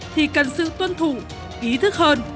thì cần sự tuân thủ ý thức hơn